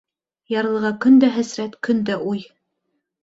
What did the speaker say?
Ярлыға көндә хәсрәт, көндә уй.